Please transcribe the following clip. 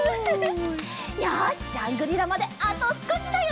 よしジャングリラまであとすこしだよ！